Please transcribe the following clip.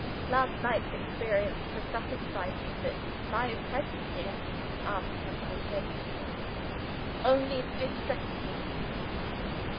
Last night's experience has satisfied me that my presence here (after what I said to you on the pier) only distresses you.